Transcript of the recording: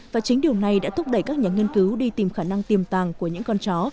và chính điều này đã thúc đẩy các nhà nghiên cứu đi tìm khả năng tiềm tàng của những con chó